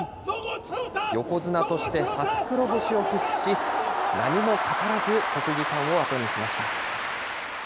横綱として初黒星を喫し、何も語らず、国技館を後にしました。